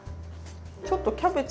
ちょっとキャベツ